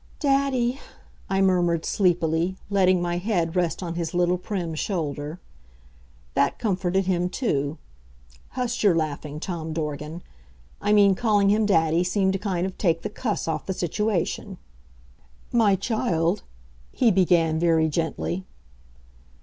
"Daddy," I murmured sleepily, letting my head rest on his little, prim shoulder. That comforted him, too. Hush your laughing, Tom Dorgan; I mean calling him "daddy" seemed to kind of take the cuss off the situation. "My child," he began very gently.